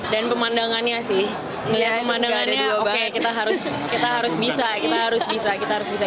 dan pemandangannya sih ngeliat pemandangannya oke kita harus bisa kita harus bisa kita harus bisa